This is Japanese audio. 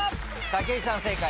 武井さん正解。